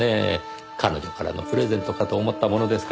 彼女からのプレゼントかと思ったものですから。